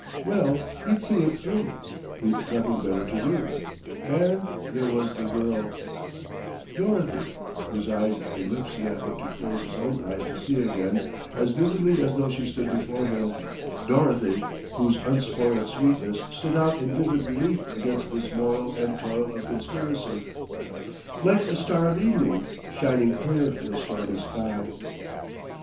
Well, he'd see it through; he'd nothing better to do, and there was the girl: Dorothy, whose eyes and lips he had but to close his own eyes to see again as vividly as though she stood before him; Dorothy, whose unspoiled sweetness stood out in vivid relief against this moil and toil of conspiracy, like a star of evening shining clear in a stormy sky.